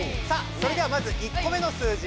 それではまず１こ目の数字